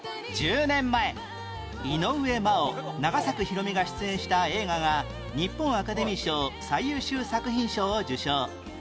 １０年前井上真央永作博美が出演した映画が日本アカデミー賞最優秀作品賞を受賞